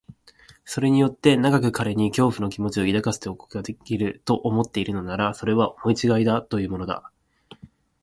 それによって長く彼に恐怖の気持を抱かせておくことができる、と思っているのなら、それは思いちがいというものだ。